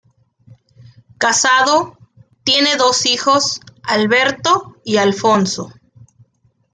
Casado, tiene dos hijos, Alberto y Alfonso.